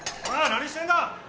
何してんだ！